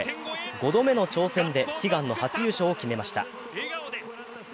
５度目の挑戦で悲願の初優勝を決めました。